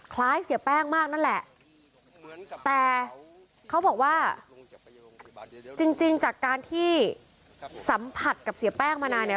คล้ายเสียแป้งมากนั่นแหละแต่เขาบอกว่าจริงจากการที่สัมผัสกับเสียแป้งมานานเนี่ย